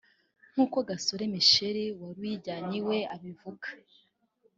nk’uko Gasore Michel wari uyijyanye iwe abivuga